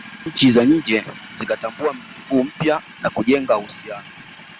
Nchi za nje zikatambua mji mkuu mpya na kujenga uhusiano